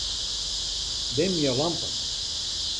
Dimje lampen.